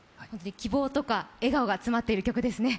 希望とか笑顔が詰まっている曲ですね。